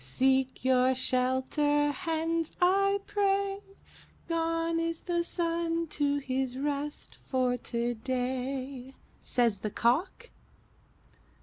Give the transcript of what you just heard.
'Seek your shelter, hens, I pray. Gone is the sun to his rest for today,' Says the Cock.'"